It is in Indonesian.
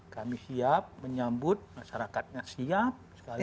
kami siap menyambut masyarakatnya siap